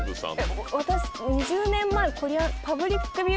私２０年前コリアンパブリックビュー。